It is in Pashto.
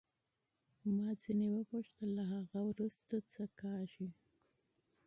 ما ترې وپوښتل له هغه وروسته څه پېښیږي.